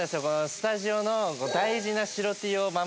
スタジオの。